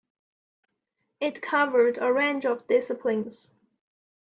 It covered a range of disciplines.